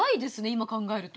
今考えると。